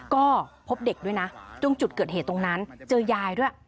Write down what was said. ก็พบเด็กด้วยนะตรงจุดเกิดเหตุตรงนั้นเจอยายด้วย